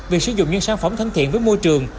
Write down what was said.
việc sử dụng những sản phẩm thân thiện với môi trường